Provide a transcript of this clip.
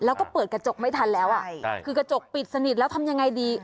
แล้วก็เปิดกระจกไม่ทันแล้วอ่ะใช่คือกระจกปิดสนิทแล้วทำยังไงดี